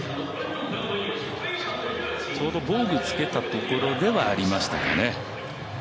ちょうど防具を着けたところではありましたかね。